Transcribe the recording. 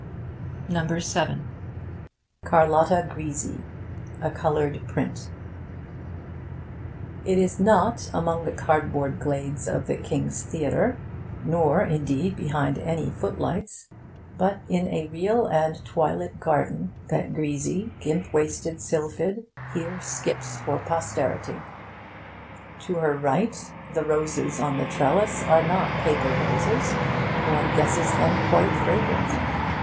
'CARLOTTA GRISI' A COLOURED PRINT It is not among the cardboard glades of the King's Theatre, nor, indeed, behind any footlights, but in a real and twilit garden that Grisi, gimp waisted sylphid, here skips for posterity. To her right, the roses on the trellis are not paper roses one guesses them quite fragrant.